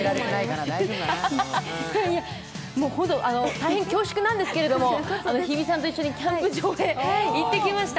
大変恐縮なんですけれども日比さんと一緒にキャンプ場に行ってきました。